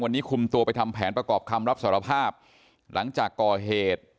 วันนี้คุมตัวไปทำแผนประกอบคำรับสารภาพหลังจากก่อเหตุ